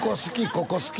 ここ好き